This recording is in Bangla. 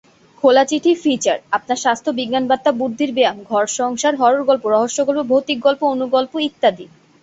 খোলা চিঠি, ফিচার, আপনার স্বাস্থ্য, বিজ্ঞান বার্তা, বুদ্ধির ব্যায়াম, ঘর-সংসার, হরর গল্প, রহস্য গল্প, ভৌতিক গল্প, অণু গল্প ইত্যাদি।